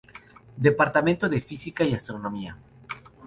Departamento de Física y Astronomía.